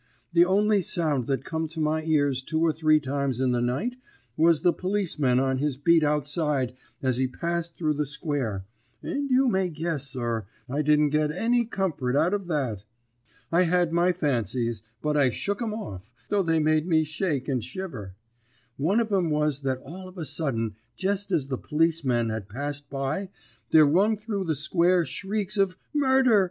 The only sound that come to my ears two or three times in the night was the policeman on his beat outside as he passed through the square, and you may guess, sir, I didn't get any comfort out of that. I had my fancies, but I shook 'em off, though they made me shake and shiver. One of 'em was that all of a sudden, jest as the policeman had passed by, there rung through the square shrieks of 'Murder!